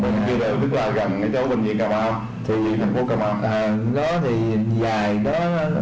bệnh viện đường rất là gần ở chỗ bệnh viện cà mau